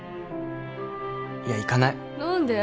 いや行かない何で？